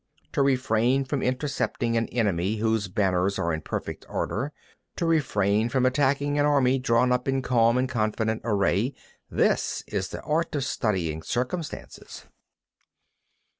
32. To refrain from intercepting an enemy whose banners are in perfect order, to refrain from attacking an army drawn up in calm and confident array:—this is the art of studying circumstances.